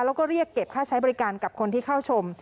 แล้วก็เรียกเก็บค่าใช้บริการกับคนที่เข้าชม